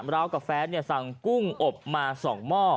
เรากับแฟนสั่งกุ้งอบมา๒หม้อ